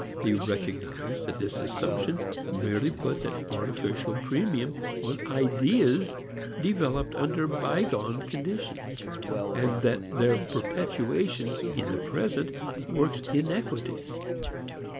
They recognize that this assumption merely puts an artificial premium on ideas developed under bygone conditions, and that their perpetuation in the present works inequity.